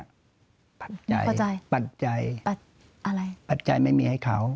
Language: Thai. ปัจจัยอะไรปัจจัยปัจจัยไม่มีให้เขา